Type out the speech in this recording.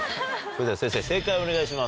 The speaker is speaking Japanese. それでは先生正解をお願いします。